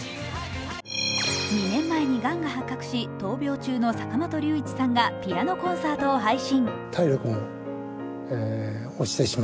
２年前にがんが発覚し闘病中の坂本龍一さんがピアノコンサートを配信。